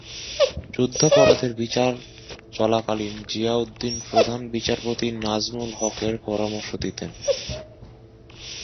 যুদ্ধাপরাধের বিচার চলাকালীন জিয়াউদ্দিন প্রধান বিচারপতি নিজামুল হকের পরামর্শ দিতেন।